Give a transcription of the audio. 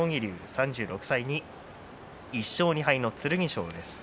３６歳に１勝２敗の剣翔です。